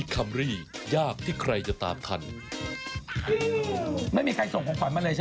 ไม่มีใครส่งของขวัญมาเลยใช่ไหมฮะ